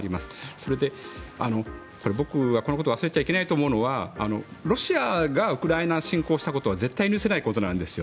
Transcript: それで、僕はこのことを忘れちゃいけないと思うのはロシアがウクライナ侵攻をしたことは絶対に許せないことなんですよ。